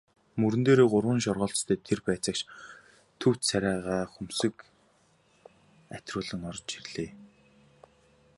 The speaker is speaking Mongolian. Мөрөн дээрээ гурван шоргоолжтой тэр байцаагч төв царайгаар хөмсөг атируулан орж ирлээ.